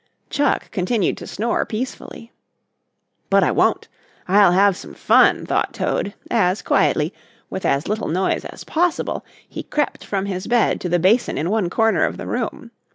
Chuck continued to snore peacefully. "But I won't I'll have some fun," thought Toad, as quietly, with as little noise as possible, he crept from his bed to the basin in one corner of the room.